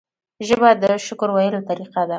ژبه د شکر ویلو طریقه ده